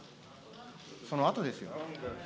そのあとですよ。